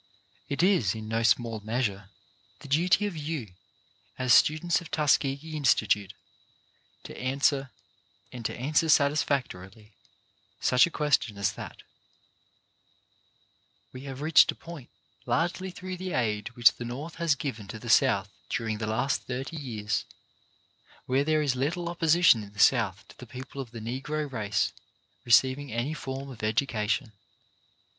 It is, in no small measure, the duty of you, as students of Tuskegee Institute, to answer, and to answer satisfactorily, such a question as that. 236 CHARACTER BUILDING We have reached a point, largely through the aid which the North has given to the South dur ing the last thirty years, where there is little oppo sition in the South to the people of the Negro race receiving any form of education.